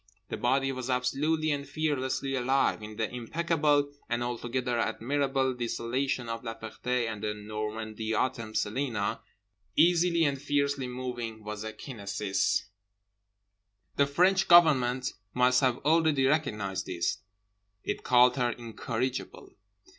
The body was absolutely and fearlessly alive. In the impeccable and altogether admirable desolation of La Ferté and the Normandy Autumn Celina, easily and fiercely moving, was a kinesis. The French Government must have already recognized this; it called her incorrigible.